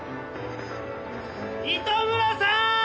糸村さーん！